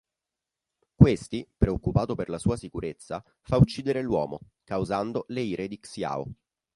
Questi, preoccupato per la sua sicurezza, fa uccidere l'uomo, causando le ire di Xiao.